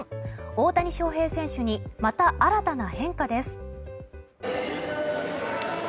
大谷翔平選手にまた新たな変化です。